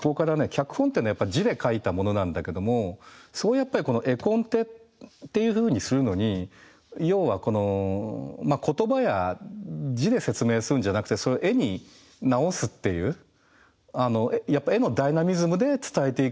脚本っていうのはやっぱり字で書いたものなんだけどもやっぱり絵コンテっていうふうにするのに要はこの言葉や字で説明するんじゃなくてそれ絵に直すっていうやっぱ絵のダイナミズムで伝えていくにはどうすればいいか。